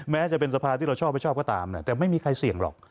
แม้จะเป็นสภาที่เราชอบไม่ชอบก็ตามแต่ไม่มีใครเสี่ยงหรอก